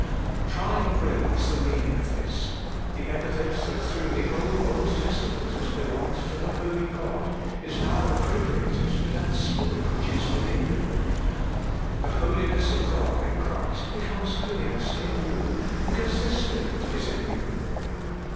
Try and realize the meaning of this ; the epithet that through the whole Old Testament has belonged to the Holy God, is now appropriated to that Spirit which is within you. The Holiness of God in Christ becomes holiness in you, because this Spirit is in you.